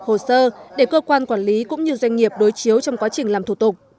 hồ sơ để cơ quan quản lý cũng như doanh nghiệp đối chiếu trong quá trình làm thủ tục